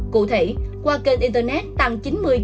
cụ thể qua kênh internet tăng